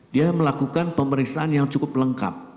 dia melakukan pemeriksaan yang cukup lengkap